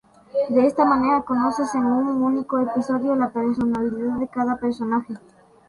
De esta manera conoces en un único episodio la personalidad de cada personaje.